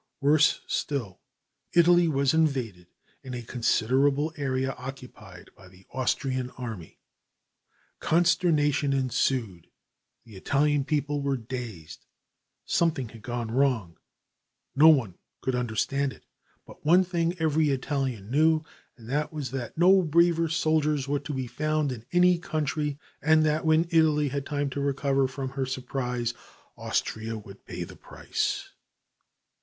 Worse still, Italy was invaded and a considerable area occupied by the Austrian army. Consternation ensued, the Italian people were dazed. Something had gone wrong; no one could understand it. But one thing every Italian knew, and that was that no braver soldiers were to be found in any country, and that when Italy had time to recover from her surprise Austria would pay the price.